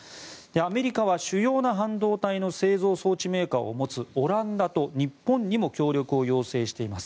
アメリカは主要な半導体の製造装置メーカーを持つオランダと日本にも協力を要請しています。